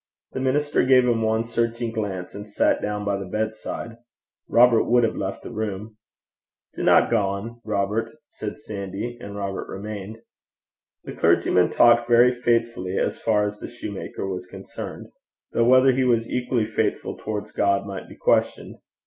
The minister gave him one searching glance, and sat down by the bedside. Robert would have left the room. 'Dinna gang, Robert,' said Sandy, and Robert remained. The clergyman talked very faithfully as far as the shoemaker was concerned; though whether he was equally faithful towards God might be questioned.